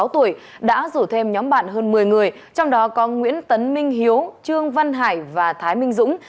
sáu mươi sáu tuổi đã rủ thêm nhóm bạn hơn một mươi người trong đó có nguyễn tấn minh hiếu trương văn hải và thái minh dũng